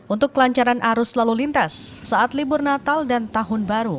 untuk kelancaran arus lalu lintas saat libur natal dan tahun baru